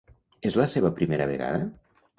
És la seva primera vegada?